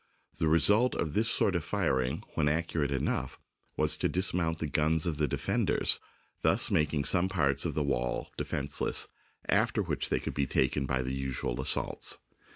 The result of this sort of firing, when accurate enough, was to dismount the guns of the defenders, thus making some parts of the wall defenceless, after which they could be taken by the usual assaults.